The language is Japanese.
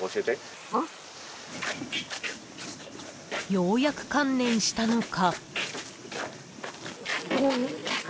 ［ようやく観念したのか］